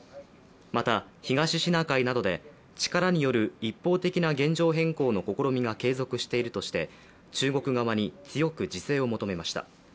また東シナ海などで力による一方的な現状変更の試みが継続しているとして中国側に強く自制を求めました。